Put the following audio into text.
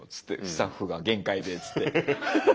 「スタッフが限界で」っつって。